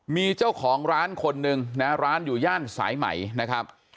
มีเจ้าของร้านคนหนึ่งนะร้านอยู่ย่านสายใหม่นะครับ